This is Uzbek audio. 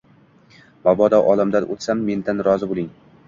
Mabodo, olamdan oʻtsam mendan rozi boʻling